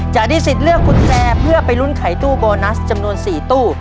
จะได้สิทธิ์เลือกกุญแจเพื่อไปลุ้นไขตู้โบนัสจำนวน๔ตู้